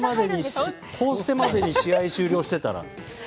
「報ステ」までに試合終了してたら。